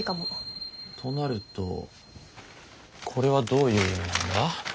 となるとこれはどういう意味なんだ？